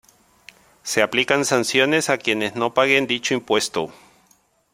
Se aplican sanciones a quienes no paguen dicho impuesto.